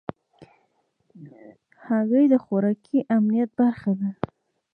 هګۍ د خوراکي امنیت برخه ده.